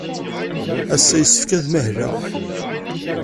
Ass-a, yessefk ad mahleɣ.